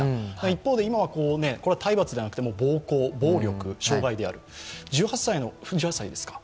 一方で今はこれは体罰ではなくて暴行、暴力、傷害である、１８歳ですか？